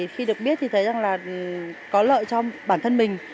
khi được biết thì thấy rằng là có lợi cho bản thân mình